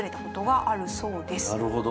なるほど。